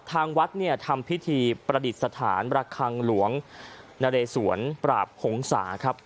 ทางวัดเนี่ยทำพิธีประดิษฐานระคังหลวงนเรสวนปราบหงษาครับ